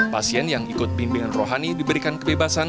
pasien yang ikut bimbingan rohani diberikan kebebasan